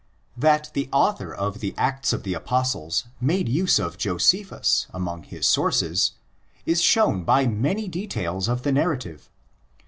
That the author of the Acts of the Apostles made use of Josephus among his sources is shown by many details of the narrative.